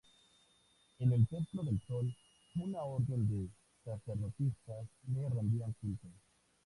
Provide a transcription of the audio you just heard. En el Templo del Sol una orden de sacerdotisas le rendía culto.